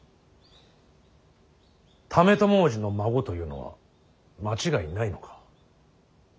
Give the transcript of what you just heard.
為朝叔父の孫というのは間違いないのか。